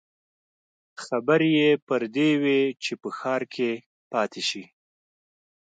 خبرې يې پر دې وې چې په ښار کې پاتې شي.